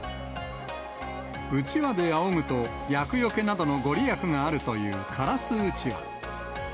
うちわであおぐと、厄よけなどの御利益があるというからす団扇。